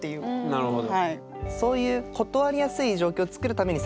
なるほど。